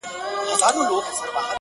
دا عجیب منظرکسي ده، وېره نه لري امامه.